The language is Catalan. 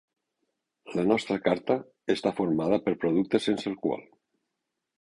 La nostra carta està formada per productes sense alcohol.